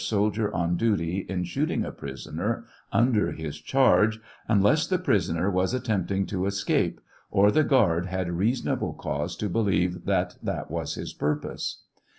soldier oa dutyin shooting a prisoner under his charge, unless the pris oner was attempting to escape, or the guard had reasonable cause to believe that that was his purpose.